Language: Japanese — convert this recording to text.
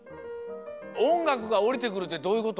おんがくがおりてくるってどういうこと？